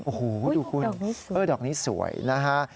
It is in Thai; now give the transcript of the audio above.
โอ้โฮดูคุณดอกนี้สวยดอกนี้สวยนะฮะ